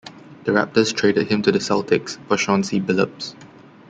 The Raptors traded him to the Celtics for Chauncey Billups.